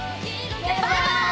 バイバーイ！